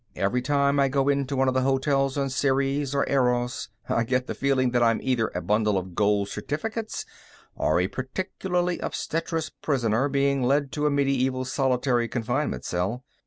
Every time I go into one of the hotels on Ceres or Eros, I get the feeling that I'm either a bundle of gold certificates or a particularly obstreperous prisoner being led to a medieval solitary confinement cell.